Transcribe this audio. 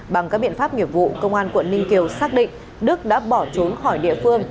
bằng các biện pháp nghiệp vụ công an quận ninh kiều xác định đức đã bỏ trốn khỏi địa phương